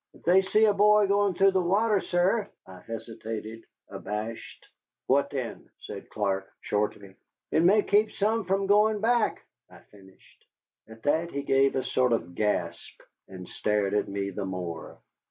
"If they see a boy going through the water, sir " I hesitated, abashed. "What then?" said Clark, shortly. "It may keep some from going back," I finished. At that he gave a sort of gasp, and stared at me the more.